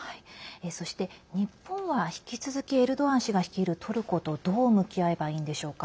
そして日本は、引き続きエルドアン氏が率いるトルコとどう向き合えばいいんでしょうか。